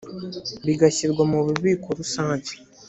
bigashyirwa mu bubiko rusange